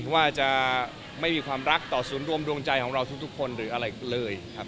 ว่าจะไม่มีความรักต่อศูนย์รวมดวงใจของเราทุกคนหรืออะไรเลยครับ